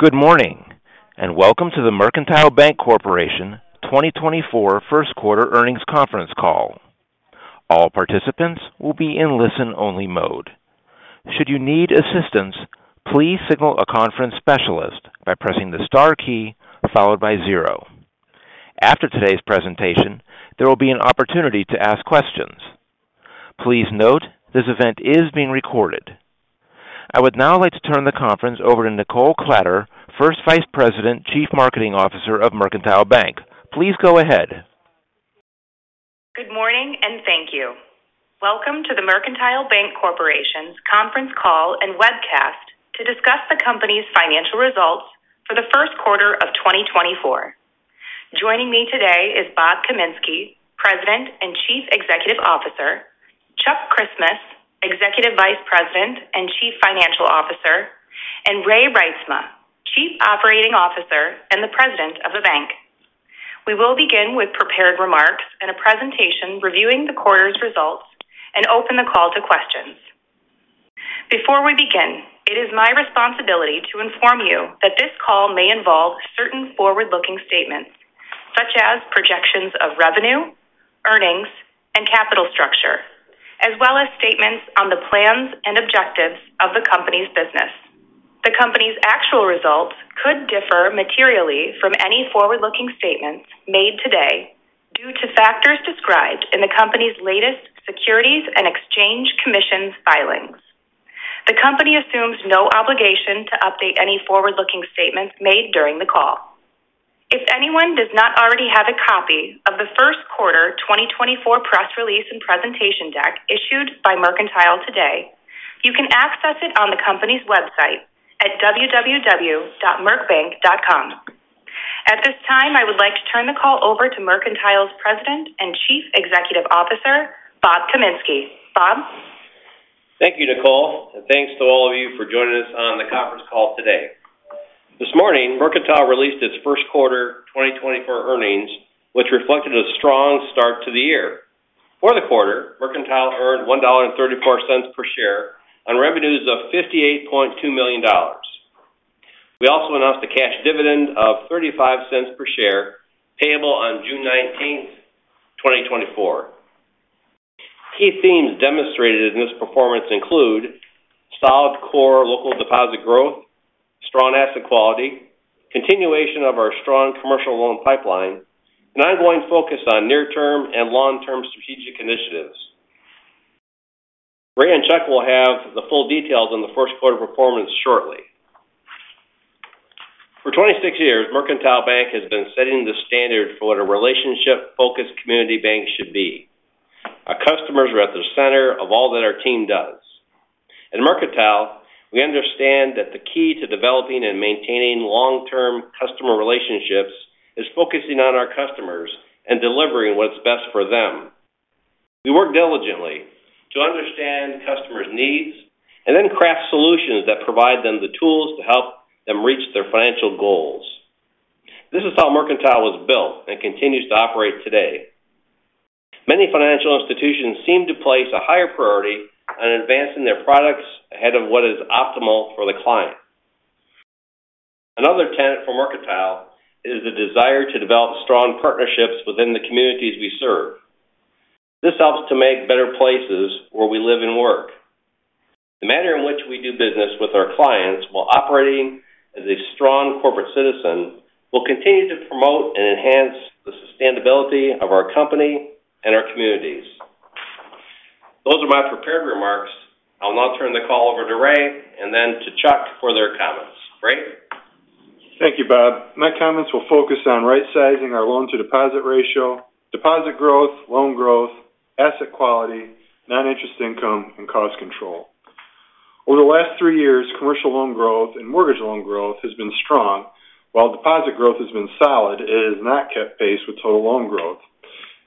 Good morning, and welcome to the Mercantile Bank Corporation 2024 First Quarter Earnings Conference Call. All participants will be in listen-only mode. Should you need assistance, please signal a conference specialist by pressing the star key followed by zero. After today's presentation, there will be an opportunity to ask questions. Please note, this event is being recorded. I would now like to turn the conference over to Nichole Kladder, First Vice President, Chief Marketing Officer of Mercantile Bank. Please go ahead. Good morning, and thank you. Welcome to the Mercantile Bank Corporation's conference call and webcast to discuss the company's financial results for the first quarter of 2024. Joining me today is Bob Kaminski, President and Chief Executive Officer, Chuck Christmas, Executive Vice President and Chief Financial Officer, and Ray Reitsma, Chief Operating Officer and President of the bank. We will begin with prepared remarks and a presentation reviewing the quarter's results and open the call to questions. Before we begin, it is my responsibility to inform you that this call may involve certain forward-looking statements such as projections of revenue, earnings, and capital structure, as well as statements on the plans and objectives of the company's business. The company's actual results could differ materially from any forward-looking statements made today due to factors described in the company's latest Securities and Exchange Commission filings. The company assumes no obligation to update any forward-looking statements made during the call. If anyone does not already have a copy of the first quarter 2024 press release and presentation deck issued by Mercantile today, you can access it on the company's website at www.mercbank.com. At this time, I would like to turn the call over to Mercantile's President and Chief Executive Officer, Bob Kaminski. Bob? Thank you, Nichole, and thanks to all of you for joining us on the conference call today. This morning, Mercantile released its first quarter 2024 earnings, which reflected a strong start to the year. For the quarter, Mercantile earned $1.34 per share on revenues of $58.2 million. We also announced a cash dividend of $0.35 per share, payable on June 19, 2024. Key themes demonstrated in this performance include solid core local deposit growth, strong asset quality, continuation of our strong commercial loan pipeline, and ongoing focus on near-term and long-term strategic initiatives. Ray and Chuck will have the full details on the first quarter performance shortly. For 26 years, Mercantile Bank has been setting the standard for what a relationship-focused community bank should be. Our customers are at the center of all that our team does. At Mercantile, we understand that the key to developing and maintaining long-term customer relationships is focusing on our customers and delivering what's best for them. We work diligently to understand customers' needs and then craft solutions that provide them the tools to help them reach their financial goals. This is how Mercantile was built and continues to operate today. Many financial institutions seem to place a higher priority on advancing their products ahead of what is optimal for the client. Another tenet for Mercantile is the desire to develop strong partnerships within the communities we serve. This helps to make better places where we live and work. The manner in which we do business with our clients, while operating as a strong corporate citizen, will continue to promote and enhance the sustainability of our company and our communities. Those are my prepared remarks. I'll now turn the call over to Ray and then to Chuck for their comments. Ray? Thank you, Bob. My comments will focus on right-sizing our loan-to-deposit ratio, deposit growth, loan growth, asset quality, non-interest income, and cost control. Over the last three years, commercial loan growth and mortgage loan growth has been strong. While deposit growth has been solid, it has not kept pace with total loan growth.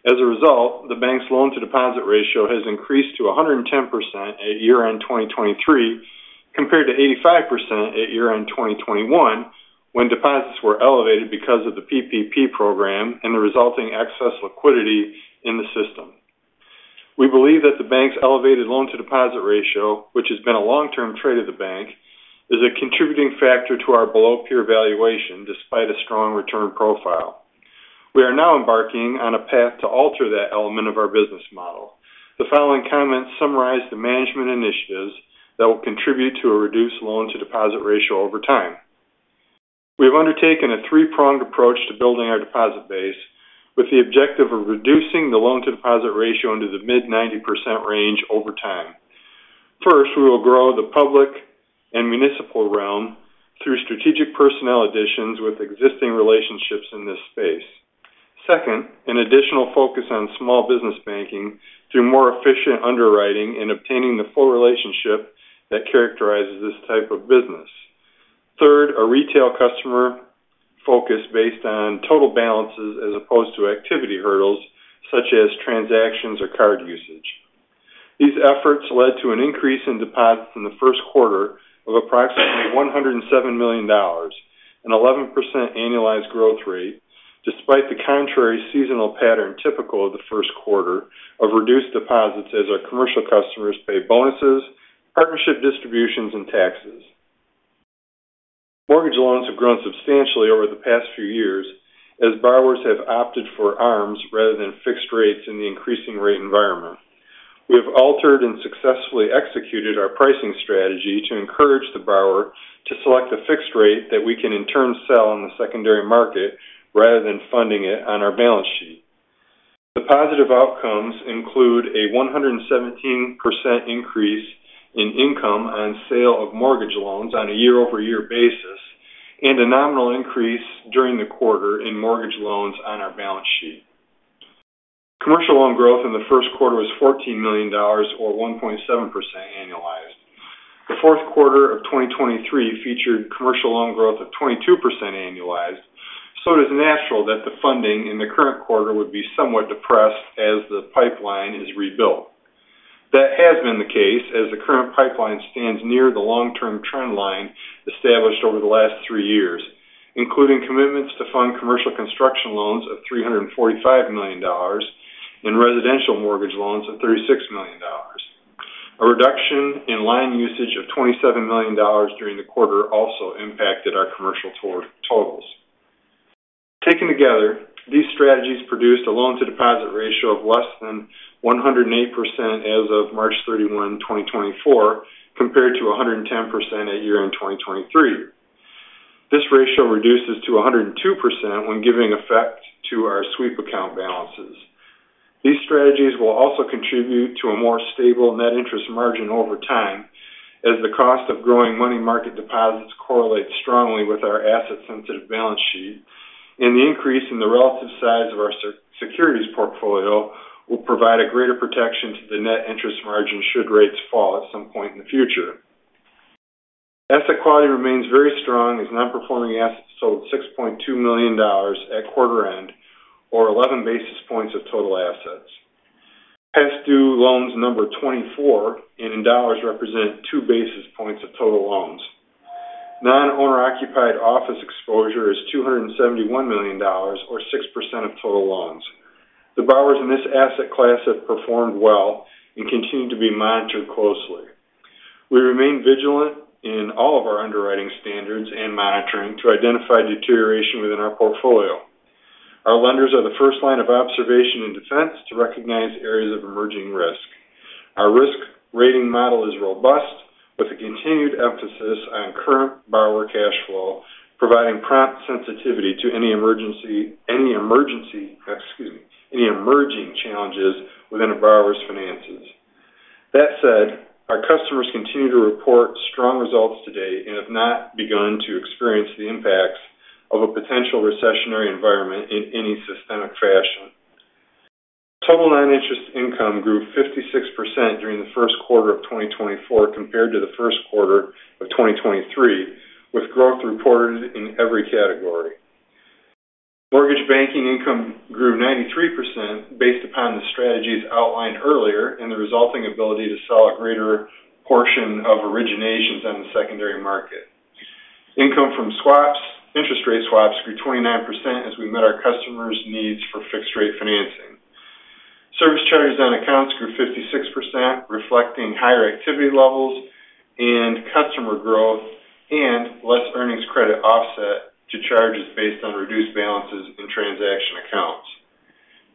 As a result, the bank's loan-to-deposit ratio has increased to 110% at year-end 2023, compared to 85% at year-end 2021, when deposits were elevated because of the PPP program and the resulting excess liquidity in the system. We believe that the bank's elevated loan-to-deposit ratio, which has been a long-term trait of the bank, is a contributing factor to our below-peer valuation, despite a strong return profile. We are now embarking on a path to alter that element of our business model. The following comments summarize the management initiatives that will contribute to a reduced loan-to-deposit ratio over time. We've undertaken a three-pronged approach to building our deposit base, with the objective of reducing the loan-to-deposit ratio into the mid-90% range over time. First, we will grow the public and municipal realm through strategic personnel additions with existing relationships in this space. Second, an additional focus on small business banking through more efficient underwriting and obtaining the full relationship that characterizes this type of business. Third, a retail customer focus based on total balances as opposed to activity hurdles, such as transactions or card usage. These efforts led to an increase in deposits in the first quarter of approximately $107 million, an 11% annualized growth rate. Despite the contrary seasonal pattern typical of the first quarter of reduced deposits as our commercial customers pay bonuses, partnership distributions, and taxes. Mortgage loans have grown substantially over the past few years, as borrowers have opted for ARMs rather than fixed rates in the increasing rate environment. We have altered and successfully executed our pricing strategy to encourage the borrower to select a fixed rate that we can in turn sell on the secondary market rather than funding it on our balance sheet. The positive outcomes include a 117% increase in income on sale of mortgage loans on a year-over-year basis, and a nominal increase during the quarter in mortgage loans on our balance sheet. Commercial loan growth in the first quarter was $14 million or 1.7% annualized. The fourth quarter of 2023 featured commercial loan growth of 22% annualized, so it is natural that the funding in the current quarter would be somewhat depressed as the pipeline is rebuilt. That has been the case, as the current pipeline stands near the long-term trend line established over the last three years, including commitments to fund commercial construction loans of $345 million and residential mortgage loans of $36 million. A reduction in line usage of $27 million during the quarter also impacted our commercial totals. Taken together, these strategies produced a loan-to-deposit ratio of less than 108% as of March 31, 2024, compared to 110% at year-end 2023. This ratio reduces to 102% when giving effect to our sweep account balances. These strategies will also contribute to a more stable net interest margin over time, as the cost of growing money market deposits correlates strongly with our asset-sensitive balance sheet, and the increase in the relative size of our securities portfolio will provide a greater protection to the net interest margin should rates fall at some point in the future. Asset quality remains very strong, as non-performing assets totaled $6.2 million at quarter end, or 11 basis points of total assets. Past due loans number 24, and in dollars, represent 2 basis points of total loans. Non-owner-occupied office exposure is $271 million, or 6% of total loans. The borrowers in this asset class have performed well and continue to be monitored closely. We remain vigilant in all of our underwriting standards and monitoring to identify deterioration within our portfolio. Our lenders are the first line of observation and defense to recognize areas of emerging risk. Our risk rating model is robust, with a continued emphasis on current borrower cash flow, providing prompt sensitivity to any emergency, excuse me, any emerging challenges within a borrower's finances. That said, our customers continue to report strong results to date and have not begun to experience the impacts of a potential recessionary environment in any systemic fashion. Total non-interest income grew 56% during the first quarter of 2024 compared to the first quarter of 2023, with growth reported in every category. Mortgage banking income grew 93% based upon the strategies outlined earlier and the resulting ability to sell a greater portion of originations on the secondary market. Income from swaps, interest rate swaps grew 29% as we met our customers' needs for fixed rate financing. Service charges on accounts grew 56%, reflecting higher activity levels and customer growth, and less earnings credit offset to charges based on reduced balances in transaction accounts.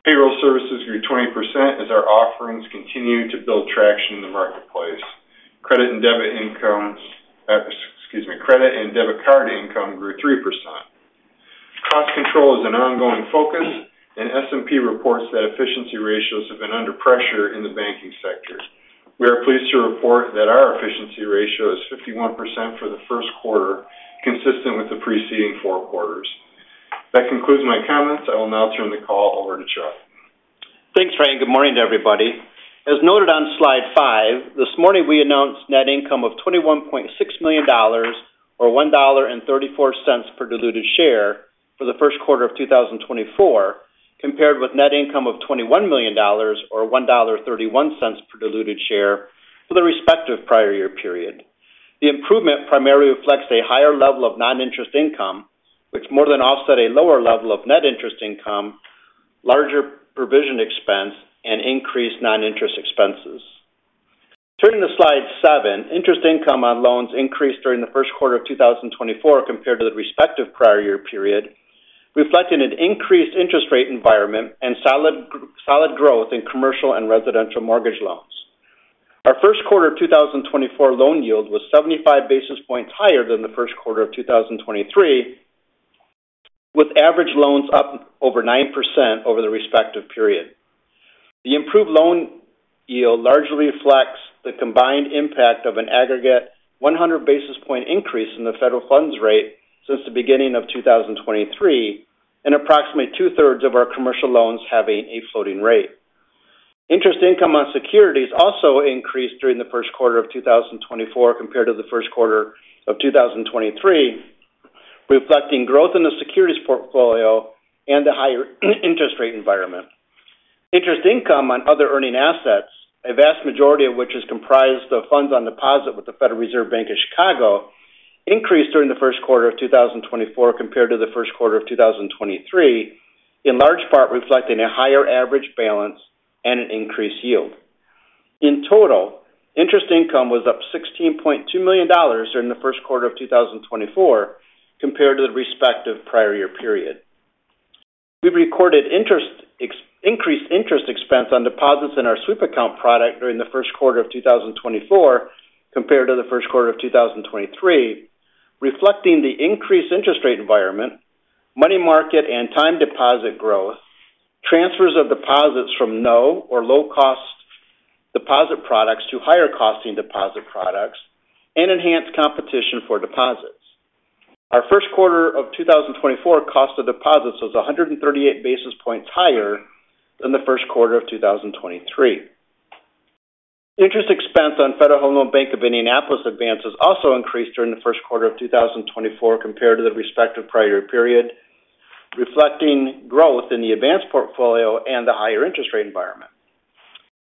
Payroll services grew 20% as our offerings continued to build traction in the marketplace. Credit and debit card income grew 3%. Cost control is an ongoing focus, and S&P reports that efficiency ratios have been under pressure in the banking sector. We are pleased to report that our efficiency ratio is 51% for the first quarter, consistent with the preceding four quarters. That concludes my comments. I will now turn the call over to Chuck. Thanks, Ray, and good morning to everybody. As noted on slide five, this morning, we announced net income of $21.6 million or $1.34 per diluted share for the first quarter of 2024, compared with net income of $21 million, or $1.31 per diluted share for the respective prior year period. The improvement primarily reflects a higher level of non-interest income, which more than offset a lower level of net interest income, larger provision expense, and increased non-interest expenses. Turning to slide seven, interest income on loans increased during the first quarter of 2024 compared to the respective prior year period, reflecting an increased interest rate environment and solid, solid growth in commercial and residential mortgage loans. Our first quarter of 2024 loan yield was 75 basis points higher than the first quarter of 2023, with average loans up over 9% over the respective period. The improved loan yield largely reflects the combined impact of an aggregate 100 basis point increase in the Federal Funds Rate since the beginning of 2023, and approximately two-thirds of our commercial loans having a floating rate. Interest income on securities also increased during the first quarter of 2024 compared to the first quarter of 2023, reflecting growth in the securities portfolio and a higher interest rate environment. Interest income on other earning assets, a vast majority of which is comprised of funds on deposit with the Federal Reserve Bank of Chicago, increased during the first quarter of 2024 compared to the first quarter of 2023, in large part reflecting a higher average balance and an increased yield. In total, interest income was up $16.2 million during the first quarter of 2024 compared to the respective prior year period. We recorded increased interest expense on deposits in our sweep account product during the first quarter of 2024 compared to the first quarter of 2023, reflecting the increased interest rate environment, money market and time deposit growth, transfers of deposits from no or low-cost deposit products to higher costing deposit products, and enhanced competition for deposits. Our first quarter of 2024 cost of deposits was 138 basis points higher than the first quarter of 2023. Interest expense on Federal Home Loan Bank of Indianapolis advances also increased during the first quarter of 2024 compared to the respective prior period, reflecting growth in the advances portfolio and the higher interest rate environment.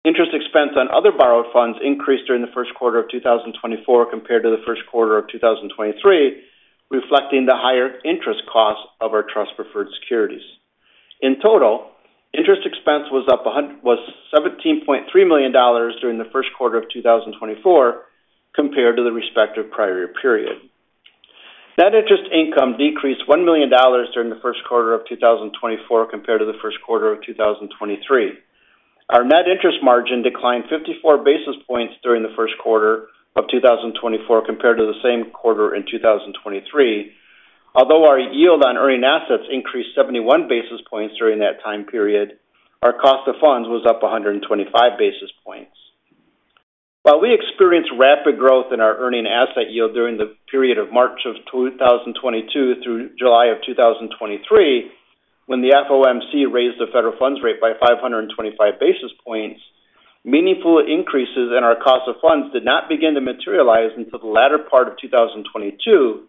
Interest expense on other borrowed funds increased during the first quarter of 2024 compared to the first quarter of 2023, reflecting the higher interest costs of our trust preferred securities. In total, interest expense was up $17.3 million during the first quarter of 2024 compared to the respective prior year period. Net interest income decreased $1 million during the first quarter of 2024 compared to the first quarter of 2023. Our net interest margin declined 54 basis points during the first quarter of 2024 compared to the same quarter in 2023. Although our yield on earning assets increased 71 basis points during that time period, our cost of funds was up 125 basis points. While we experienced rapid growth in our earning asset yield during the period of March 2022 through July 2023, when the FOMC raised the Federal Funds Rate by 525 basis points, meaningful increases in our cost of funds did not begin to materialize until the latter part of 2022,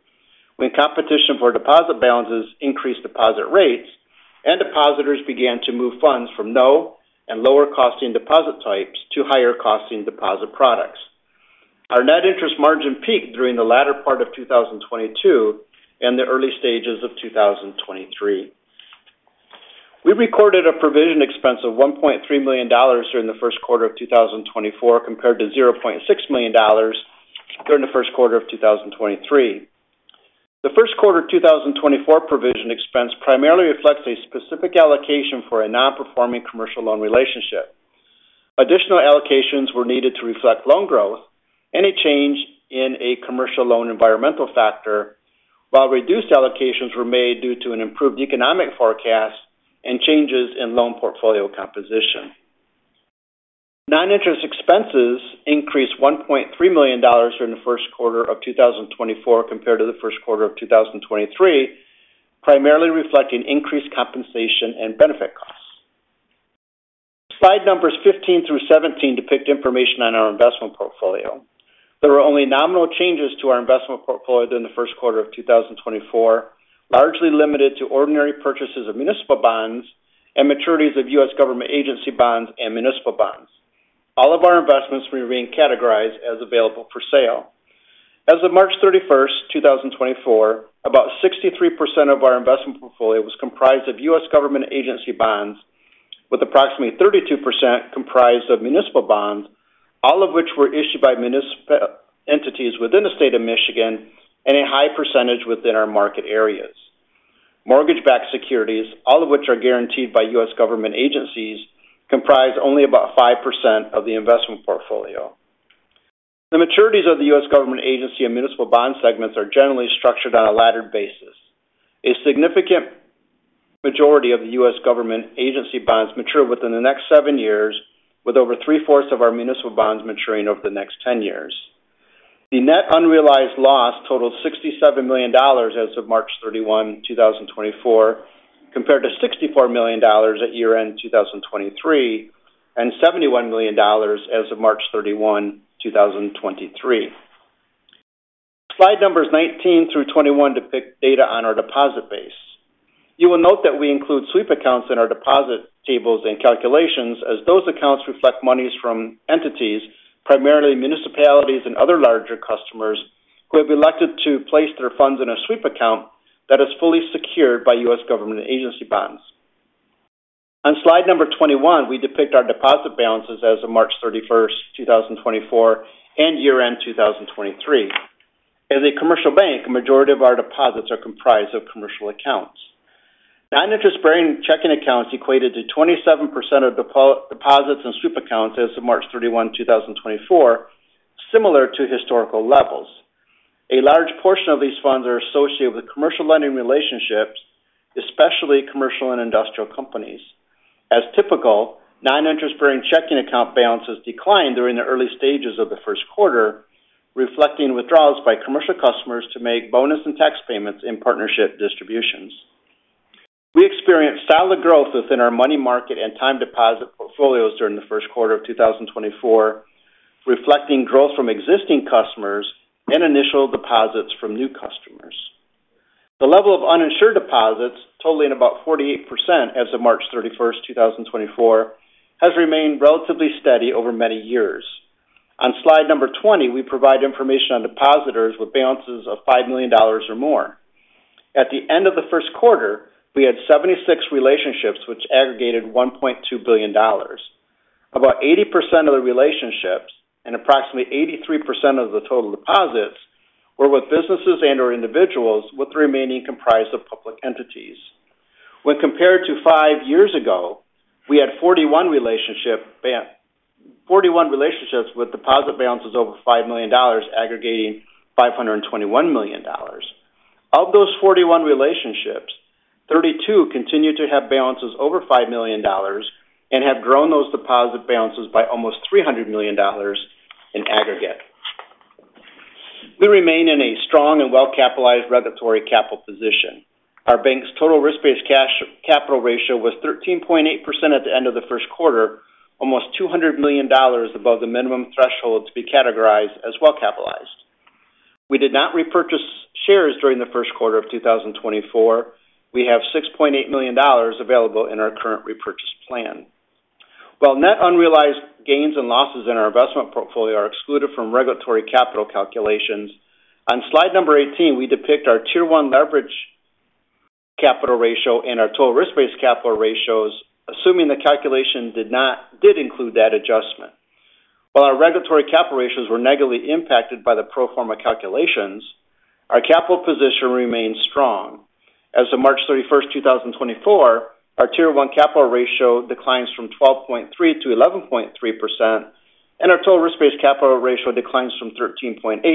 when competition for deposit balances increased deposit rates and depositors began to move funds from no and lower costing deposit types to higher costing deposit products. Our net interest margin peaked during the latter part of 2022 and the early stages of 2023. We recorded a provision expense of $1.3 million during the first quarter of 2024, compared to $0.6 million during the first quarter of 2023. The first quarter of 2024 provision expense primarily reflects a specific allocation for a non-performing commercial loan relationship. Additional allocations were needed to reflect loan growth and a change in a commercial loan environmental factor, while reduced allocations were made due to an improved economic forecast and changes in loan portfolio composition. Non-interest expenses increased $1.3 million during the first quarter of 2024 compared to the first quarter of 2023, primarily reflecting increased compensation and benefit costs. Slide numbers 15 through 17 depict information on our investment portfolio. There were only nominal changes to our investment portfolio during the first quarter of 2024, largely limited to ordinary purchases of municipal bonds and maturities of U.S. government agency bonds and municipal bonds. All of our investments were being categorized as available for sale. As of March 31st, 2024, about 63% of our investment portfolio was comprised of U.S. government agency bonds, with approximately 32% comprised of municipal bonds, all of which were issued by municipal entities within the state of Michigan, and a high percentage within our market areas. Mortgage-backed securities, all of which are guaranteed by U.S. government agencies, comprise only about 5% of the investment portfolio. The maturities of the U.S. government, agency, and municipal bond segments are generally structured on a laddered basis. A significant majority of the U.S. government agency bonds mature within the next 7 years, with over three-fourths of our municipal bonds maturing over the next 10 years. The net unrealized loss totaled $67 million as of March 31, 2024, compared to $64 million at year-end 2023, and $71 million as of March 31, 2023. Slide numbers 19 through 21 depict data on our deposit base. You will note that we include sweep accounts in our deposit tables and calculations, as those accounts reflect monies from entities, primarily municipalities and other larger customers, who have elected to place their funds in a sweep account that is fully secured by U.S. government agency bonds. On slide number 21, we depict our deposit balances as of March 31, 2024, and year-end 2023. As a commercial bank, a majority of our deposits are comprised of commercial accounts. Non-interest bearing checking accounts equated to 27% of deposits and sweep accounts as of March 31, 2024, similar to historical levels. A large portion of these funds are associated with commercial lending relationships, especially commercial and industrial companies. As typical, non-interest bearing checking account balances declined during the early stages of the first quarter, reflecting withdrawals by commercial customers to make bonus and tax payments in partnership distributions. We experienced solid growth within our money market and time deposit portfolios during the first quarter of 2024, reflecting growth from existing customers and initial deposits from new customers. The level of uninsured deposits, totaling about 48% as of March 31, 2024, has remained relatively steady over many years. On slide number 20, we provide information on depositors with balances of $5 million or more. At the end of the first quarter, we had 76 relationships, which aggregated $1.2 billion. About 80% of the relationships and approximately 83% of the total deposits were with businesses and/or individuals, with the remaining comprised of public entities. When compared to 5 years ago, we had 41 relationships with deposit balances over $5 million, aggregating $521 million. Of those 41 relationships, 32 continue to have balances over $5 million and have grown those deposit balances by almost $300 million in aggregate. We remain in a strong and well-capitalized regulatory capital position. Our bank's total risk-based capital ratio was 13.8% at the end of the first quarter, almost $200 million above the minimum threshold to be categorized as well-capitalized. We did not repurchase shares during the first quarter of 2024. We have $6.8 million available in our current repurchase plan. While net unrealized gains and losses in our investment portfolio are excluded from regulatory capital calculations, on slide number 18, we depict our Tier 1 leverage capital ratio and our total risk-based capital ratios, assuming the calculation did include that adjustment. While our regulatory capital ratios were negatively impacted by the pro forma calculations, our capital position remains strong. As of March 31, 2024, our Tier 1 capital ratio declines from 12.3%-11.3%, and our total risk-based capital ratio declines from 13.8%-13%.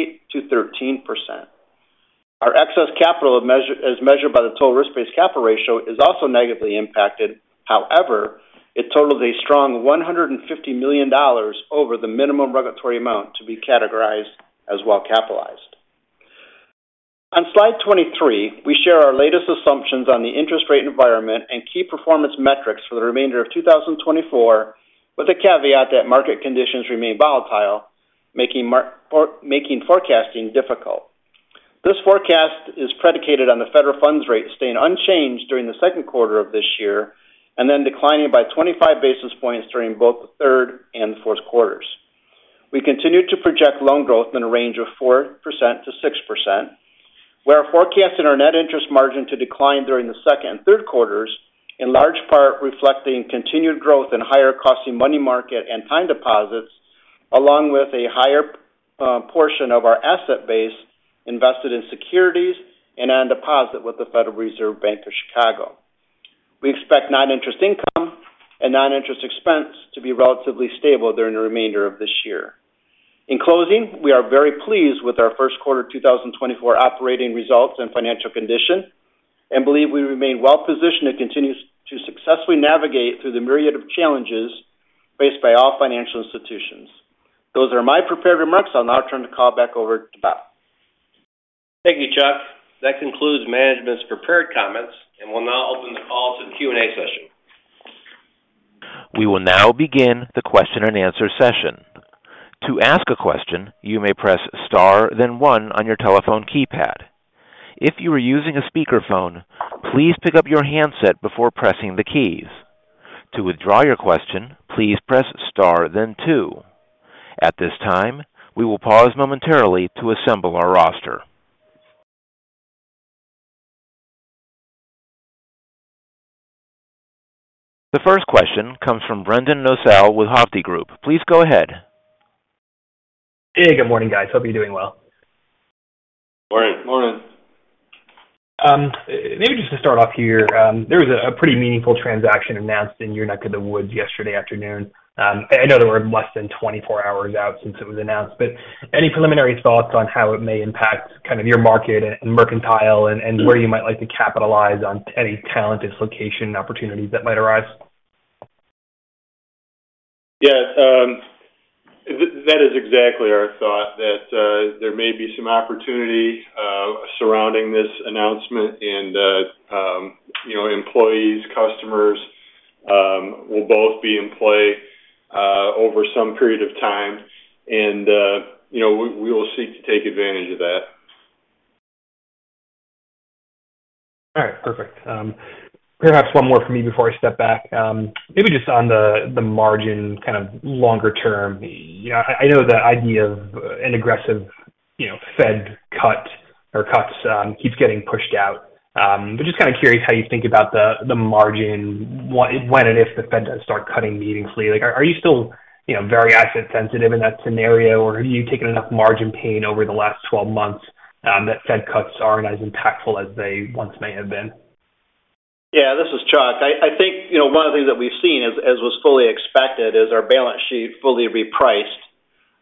Our excess capital as measured by the total risk-based capital ratio is also negatively impacted. However, it totals a strong $150 million over the minimum regulatory amount to be categorized as well-capitalized. On slide 23, we share our latest assumptions on the interest rate environment and key performance metrics for the remainder of 2024, with the caveat that market conditions remain volatile, making forecasting difficult. This forecast is predicated on the federal funds rate staying unchanged during the second quarter of this year, and then declining by 25 basis points during both the third and fourth quarters. We continue to project loan growth in a range of 4%-6%. We are forecasting our net interest margin to decline during the second and third quarters, in large part reflecting continued growth in higher costing money market and time deposits, along with a higher portion of our asset base invested in securities and on deposit with the Federal Reserve Bank of Chicago. We expect non-interest income and non-interest expense to be relatively stable during the remainder of this year. In closing, we are very pleased with our first quarter 2024 operating results and financial condition, and believe we remain well positioned and continues to successfully navigate through the myriad of challenges faced by all financial institutions. Those are my prepared remarks. I'll now turn the call back over to Bob. Thank you, Chuck. That concludes management's prepared comments, and we'll now open the call to the Q&A session. We will now begin the question and answer session. To ask a question, you may press star, then one on your telephone keypad. If you are using a speakerphone, please pick up your handset before pressing the keys. To withdraw your question, please press star, then two. At this time, we will pause momentarily to assemble our roster. The first question comes from Brendan Nosal with Hovde Group. Please go ahead. Hey, good morning, guys. Hope you're doing well. Morning. Morning. Maybe just to start off here, there was a pretty meaningful transaction announced in your neck of the woods yesterday afternoon. I know that we're less than 24 hours out since it was announced, but any preliminary thoughts on how it may impact kind of your market and Mercantile and where you might like to capitalize on any talent dislocation opportunities that might arise? Yes, that is exactly our thought, that there may be some opportunity surrounding this announcement and employees, customers will both be in play over some period of time and, we will seek to take advantage of that. All right. Perfect. Perhaps one more from me before I step back. Maybe just on the margin, kind of longer term. You know, I know the idea of an aggressive, you know, Fed cut or cuts, keeps getting pushed out. But just kind of curious how you think about the margin, when and if the Fed does start cutting meaningfully? Like, are you still, you know, very asset sensitive in that scenario, or have you taken enough margin pain over the last 12 months, that Fed cuts aren't as impactful as they once may have been? Yeah, this is Chuck. I think, one of the things that we've seen as was fully expected, is our balance sheet fully repriced,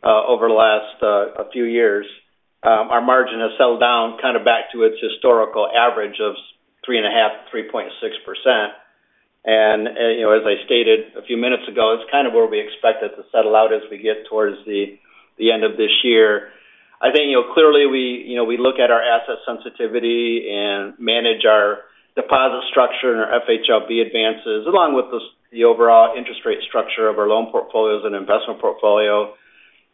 over the last, a few years. Our margin has settled down kind of back to its historical average of 3.5, 3.6%. And, you know, as I stated a few minutes ago, it's kind of where we expect it to settle out as we get towards the end of this year. I think, you know, clearly we, you know, we look at our asset sensitivity and manage our deposit structure and our FHLB advances, along with the overall interest rate structure of our loan portfolios and investment portfolio.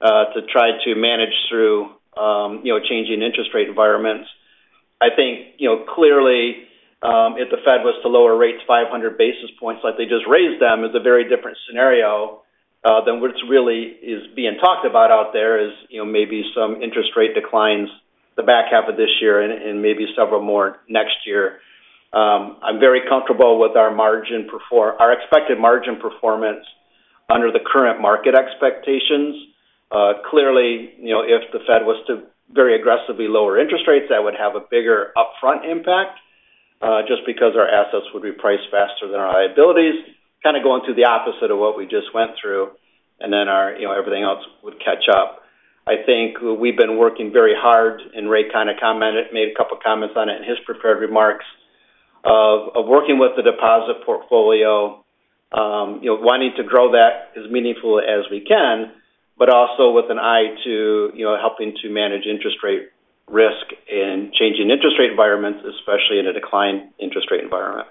To try to manage through, you know, changing interest rate environments. I think, you know, clearly, if the Fed was to lower rates 500 basis points like they just raised them, is a very different scenario, than what's really is being talked about out there is, you know, maybe some interest rate declines the back half of this year and, and maybe several more next year. I'm very comfortable with our expected margin performance under the current market expectations. Clearly, if the Fed was to very aggressively lower interest rates, that would have a bigger upfront impact, just because our assets would be priced faster than our liabilities. Kind of going through the opposite of what we just went through, and then our everything else would catch up. I think we've been working very hard, and Ray kind of commented, made a couple comments on it in his prepared remarks, of working with the deposit portfolio. You know, wanting to grow that as meaningful as we can, but also with an eye to, you know, helping to manage interest rate risk and changing interest rate environments, especially in a declined interest rate environment.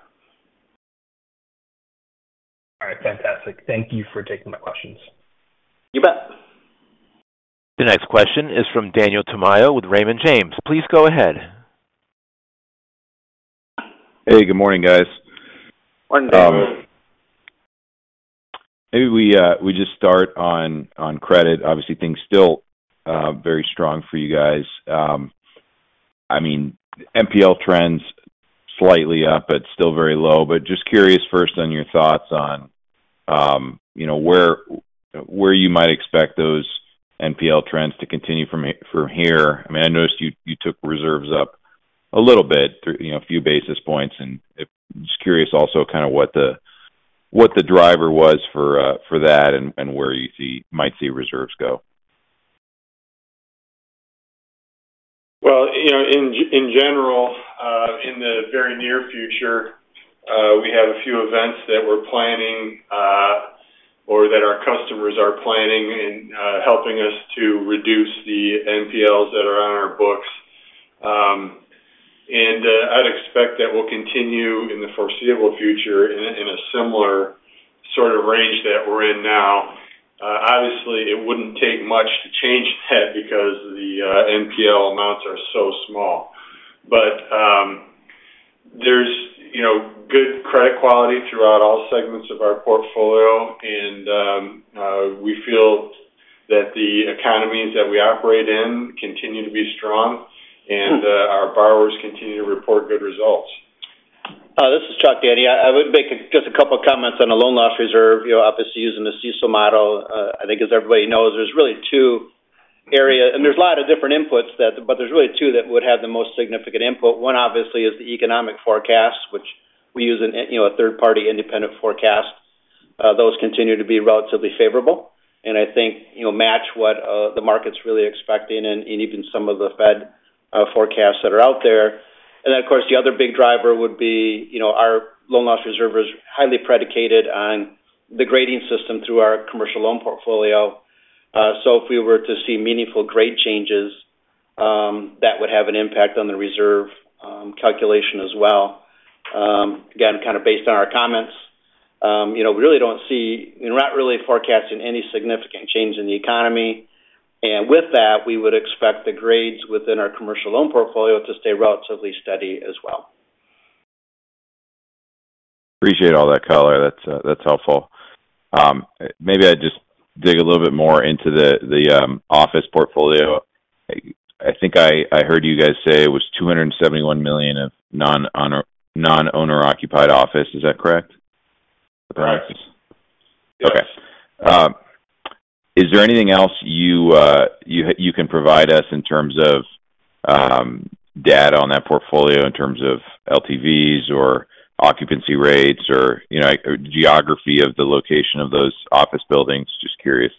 All right. Fantastic. Thank you for taking my questions. You bet. The next question is from Daniel Tamayo with Raymond James. Please go ahead. Hey, good morning, guys. Morning. Maybe we just start on credit. Obviously, things still very strong for you guys. I mean, NPL trends slightly up, but still very low. But just curious first on your thoughts on, you know, where you might expect those NPL trends to continue from here. I mean, I noticed you took reserves up a little bit, you know, a few basis points, and--just curious also kind of what the driver was for that and where you might see reserves go. Well, you know, in general, in the very near future, we have a few events that we're planning, or that our customers are planning and helping us to reduce the NPLs that are on our books. And I'd expect that will continue in the foreseeable future in a similar sort of range that we're in now. Obviously, it wouldn't take much to change that because the NPL amounts are so small. But there's, you know, good credit quality throughout all segments of our portfolio, and we feel that the economies that we operate in continue to be strong, and our borrowers continue to report good results. This is Chuck Christmas. I would make just a couple comments on the loan loss reserve. You know, obviously, using the CECL model, I think as everybody knows, there's really two areas, and there's a lot of different inputs that, but there's really two that would have the most significant input. One, obviously, is the economic forecast, which we use an, you know, a third-party independent forecast. Those continue to be relatively favorable, and I think, you know, match what the market's really expecting and even some of the Fed forecasts that are out there. And then, of course, the other big driver would be, you know, our loan loss reserve is highly predicated on the grading system through our commercial loan portfolio. So if we were to see meaningful grade changes, that would have an impact on the reserve calculation as well. Again, kind of based on our comments, you know, we really don't see-- we're not really forecasting any significant change in the economy. And with that, we would expect the grades within our commercial loan portfolio to stay relatively steady as well. Appreciate all that color. That's that's helpful. Maybe I'd just dig a little bit more into the office portfolio. I think I heard you guys say it was $271 million of non-owner-occupied office. Is that correct? Correct. Okay. Is there anything else you can provide us in terms of data on that portfolio, in terms of LTVs or occupancy rates or, you know, like, geography of the location of those office buildings? Just curious,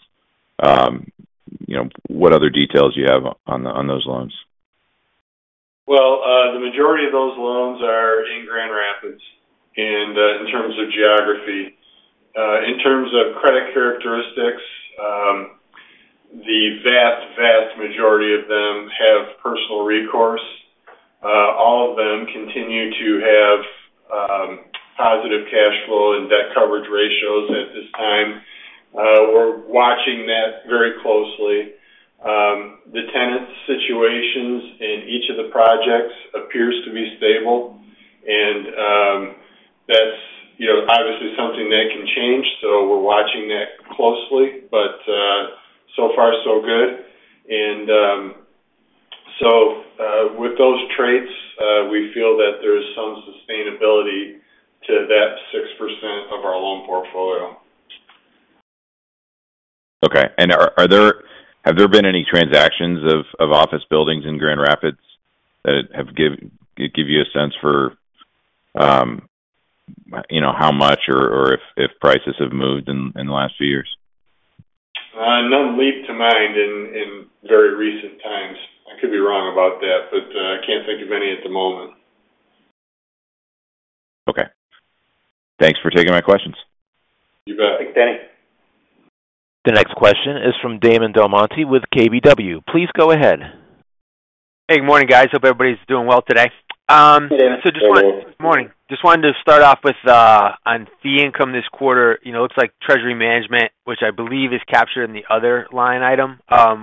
you know, what other details you have on those loans. Well, the majority of those loans are in Grand Rapids, and, in terms of geography. In terms of credit characteristics, the vast, vast majority of them have personal recourse. All of them continue to have, positive cash flow and debt coverage ratios at this time. We're watching that very closely. The tenant situations in each of the projects appears to be stable, and, that's, you know, obviously something that can change, so we're watching that closely. But, so far, so good. And, so, with those traits, we feel that there's some sustainability to that 6% of our loan portfolio. Okay. And have there been any transactions of office buildings in Grand Rapids that have given you a sense for, you know, how much or if prices have moved in the last few years? None leap to mind in very recent times. I could be wrong about that, but, I can't think of any at the moment. Okay. Thanks for taking my questions. You bet. Thanks, Danny. The next question is from Damon DelMonte with KBW. Please go ahead. Hey, good morning, guys. Hope everybody's doing well today. Good morning. Morning. Just wanted to start off with on fee income this quarter. You know, it looks like treasury management, which I believe is captured in the other line item. I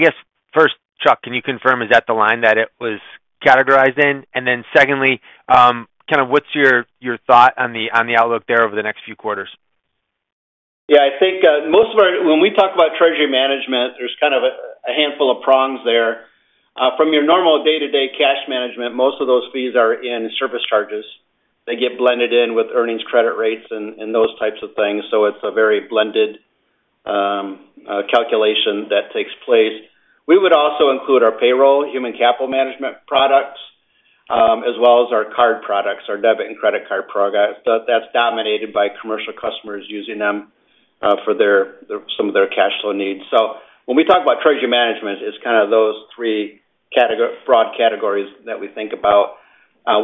guess, first, Chuck, can you confirm, is that the line that it was categorized in? And then secondly, kind of what's your thought on the, on the outlook there over the next few quarters? Yeah, I think, when we talk about treasury management, there's kind of a handful of prongs there. From your normal day-to-day cash management, most of those fees are in service charges. They get blended in with earnings credit rates and those types of things, so it's a very blended calculation that takes place. We would also include our payroll, human capital management products, as well as our card products, our debit and credit card program that's dominated by commercial customers using them for their some of their cash flow needs. So when we talk about treasury management, it's kind of those three broad categories that we think about.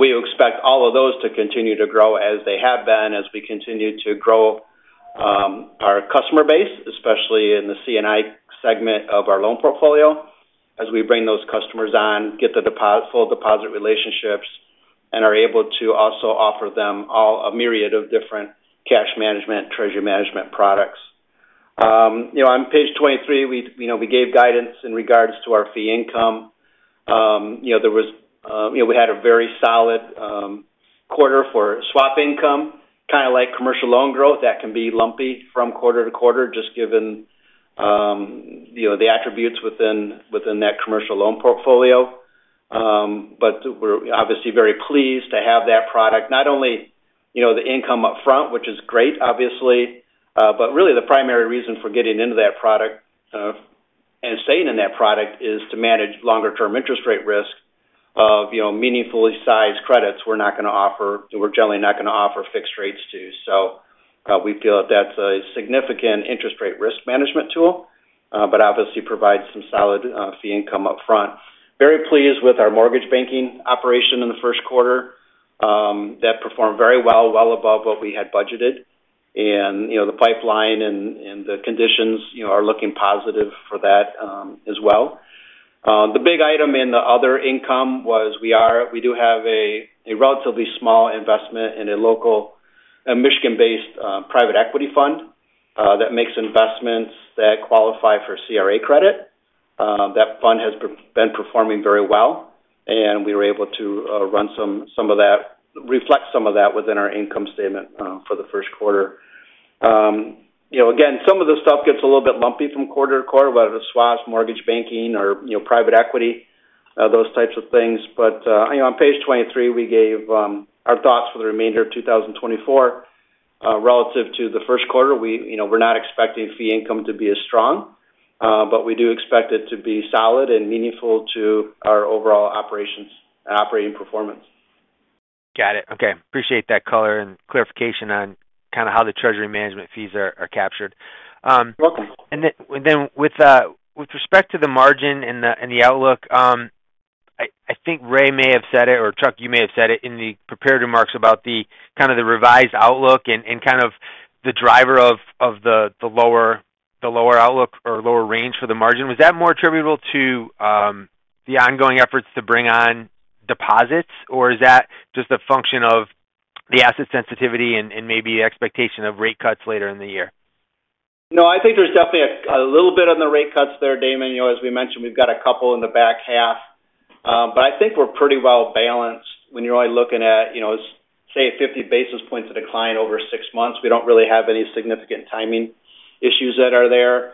We expect all of those to continue to grow as they have been, as we continue to grow our customer base, especially in the C&I segment of our loan portfolio. As we bring those customers on, get the full deposit relationships, and are able to also offer them all a myriad of different cash management, treasury management products. You know, on page 23, you know, we gave guidance in regards to our fee income. You know, we had a very solid quarter for swap income, kind of like commercial loan growth, that can be lumpy from quarter to quarter, just given you know, the attributes within that commercial loan portfolio. But we're obviously very pleased to have that product, not only, you know, the income up front, which is great, obviously, but really the primary reason for getting into that product, and staying in that product is to manage longer term interest rate risk of, you know, meaningfully sized credits we're not going to offer-- we're generally not going to offer fixed rates to. So, we feel that that's a significant interest rate risk management tool, but obviously provides some solid, fee income upfront. Very pleased with our mortgage banking operation in the first quarter. That performed very well, well above what we had budgeted. And, you know, the pipeline and, and the conditions, you know, are looking positive for that, as well. The big item in the other income was we do have a relatively small investment in a local Michigan-based private equity fund that makes investments that qualify for CRA credit. That fund has been performing very well, and we were able to reflect some of that within our income statement for the first quarter. You know, again, some of this stuff gets a little bit lumpy from quarter-to-quarter, whether the swaps, mortgage banking or, you know, private equity, those types of things. But, you know, on page 23, we gave our thoughts for the remainder of 2024. Relative to the first quarter, we, you know, we're not expecting fee income to be as strong, but we do expect it to be solid and meaningful to our overall operations and operating performance. Got it. Okay. Appreciate that color and clarification on kind of how the treasury management fees are, are captured. Welcome. With respect to the margin and the outlook, I think Ray may have said it, or Chuck, you may have said it in the prepared remarks about the kind of the revised outlook and kind of the driver of the lower outlook or lower range for the margin. Was that more attributable to the ongoing efforts to bring on deposits, or is that just a function of the asset sensitivity and maybe expectation of rate cuts later in the year? No, I think there's definitely a little bit on the rate cuts there, Damon. You know, as we mentioned, we've got a couple in the back half. But I think we're pretty well balanced when you're only looking at, you know, say, a 50 basis points of decline over six months. We don't really have any significant timing issues that are there.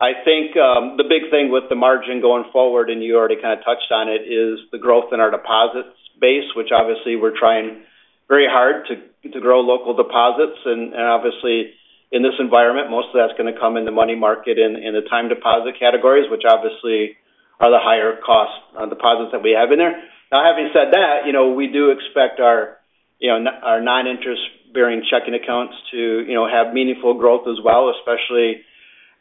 I think, the big thing with the margin going forward, and you already kind of touched on it, is the growth in our deposits base, which obviously we're trying very hard to grow local deposits. And, obviously, in this environment, most of that's going to come in the money market and in the time deposit categories, which obviously are the higher cost, deposits that we have in there. Now, having said that, you know, we do expect our, our non-interest bearing checking accounts to have meaningful growth as well, especially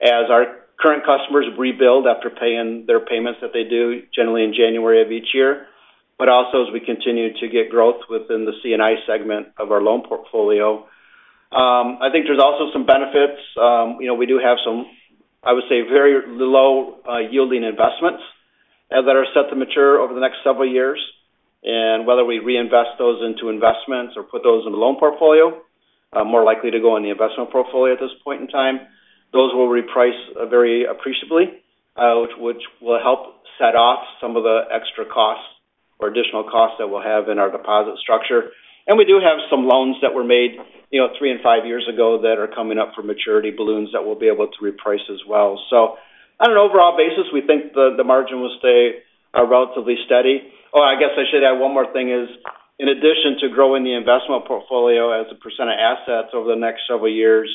as our current customers rebuild after paying their payments that they do, generally in January of each year, but also as we continue to get growth within the C&I segment of our loan portfolio. I think there's also some benefits. You know, we do have some, I would say, very low-yielding investments that are set to mature over the next several years. And whether we reinvest those into investments or put those in the loan portfolio, more likely to go in the investment portfolio at this point in time. Those will reprice very appreciably, which will help set off some of the extra costs or additional costs that we'll have in our deposit structure. We do have some loans that were made, you know, three and five years ago that are coming up for maturity balloons that we'll be able to reprice as well. So on an overall basis, we think the margin will stay relatively steady. Oh, I guess I should add one more thing is, in addition to growing the investment portfolio as a percent of assets over the next several years,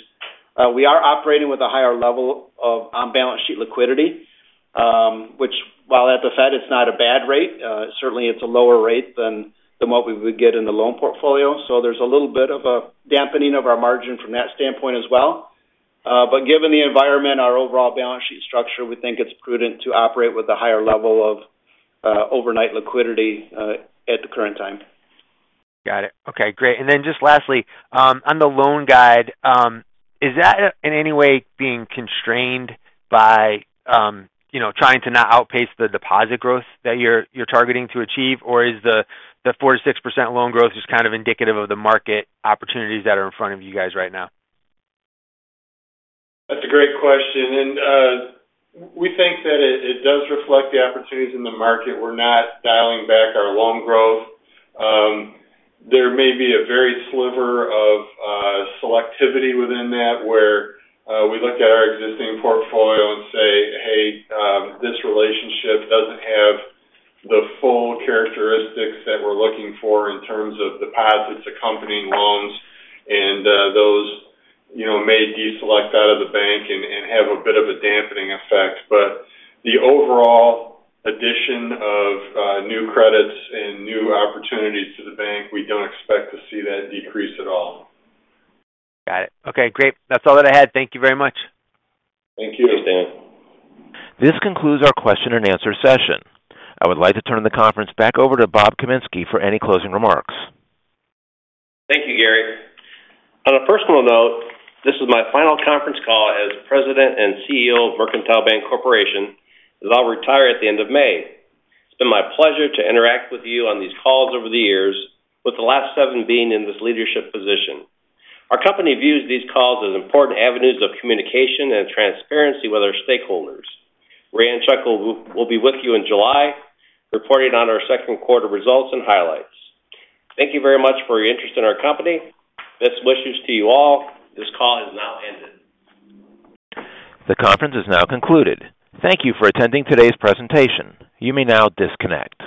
we are operating with a higher level of on-balance sheet liquidity, which, while at the Fed, it's not a bad rate, certainly it's a lower rate than what we would get in the loan portfolio. So there's a little bit of a dampening of our margin from that standpoint as well. But given the environment, our overall balance sheet structure, we think it's prudent to operate with a higher level of overnight liquidity at the current time. Got it. Okay, great. And then just lastly, on the loan growth, is that in any way being constrained by, you know, trying to not outpace the deposit growth that you're targeting to achieve? Or is the 4%-6% loan growth just kind of indicative of the market opportunities that are in front of you guys right now? That's a great question, and we think that it does reflect the opportunities in the market. We're not dialing back our loan growth. There may be a very sliver of selectivity within that, where we look at our existing portfolio and say, "Hey, this relationship doesn't have the full characteristics that we're looking for in terms of deposits accompanying loans," and those, you know, may deselect out of the bank and have a bit of a dampening effect. But the overall addition of new credits and new opportunities to the bank, we don't expect to see that decrease at all. Got it. Okay, great. That's all that I had. Thank you very much. Thank you, Dan. This concludes our question-and-answer session. I would like to turn the conference back over to Bob Kaminski for any closing remarks. Thank you, Gary. On a personal note, this is my final conference call as President and CEO of Mercantile Bank Corporation, as I'll retire at the end of May. It's been my pleasure to interact with you on these calls over the years, with the last seven being in this leadership position. Our company views these calls as important avenues of communication and transparency with our stakeholders. Ray Reitsma will be with you in July, reporting on our second quarter results and highlights. Thank you very much for your interest in our company. Best wishes to you all. This call has now ended. The conference is now concluded. Thank you for attending today's presentation. You may now disconnect.